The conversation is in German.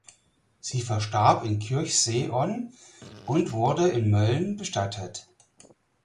Sie verstarb in Kirchseeon und wurde in Mölln bestattet.